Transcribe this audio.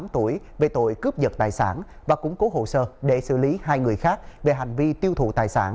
một mươi tám tuổi về tội cướp giật tài sản và củng cố hồ sơ để xử lý hai người khác về hành vi tiêu thụ tài sản